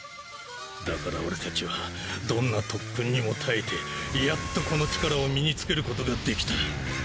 だから俺たちはどんな特訓にも耐えてやっとこの力を身につけることができた。